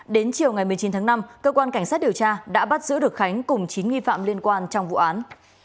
đến chiều ngày một mươi chín tháng năm cơ quan cảnh sát điều tra đã bắt giữ được khánh cùng chín nghi phạm liên quan trong vụ án